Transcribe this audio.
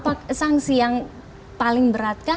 apakah sanksi yang paling beratkah